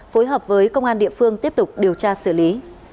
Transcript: phối hợp với công an địa phương tiếp tục điều tra xử lý